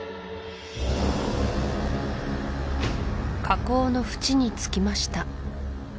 火口のふちに着きました